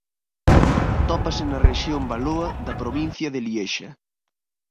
Atópase na Rexión Valoa da Provincia de Liexa.